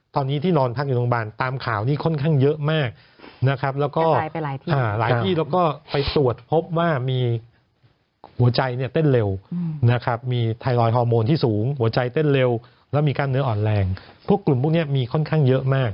ตอนนี้ที่นอนพักอยู่โรงพยาบาลตามข่าวนี้ค่อนข้างเยอะมาก